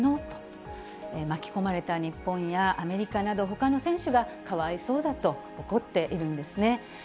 と、巻き込まれた日本や、アメリカなど、ほかの選手がかわいそうだと怒っているんですね。